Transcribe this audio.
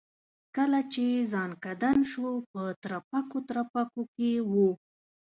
کله چې ځنکدن شو په ترپکو ترپکو کې و.